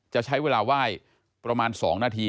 จะใช้เวลาไหว้ประมาณ๒นาที